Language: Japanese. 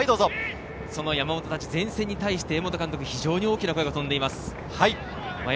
山本、前線に対して江本監督、非常に大きな声が飛んでいます。